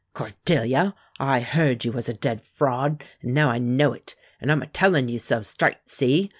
Cordelia, I heard you was a dead fraud, an' now I know it, and I'm a tellin' you so, straight see?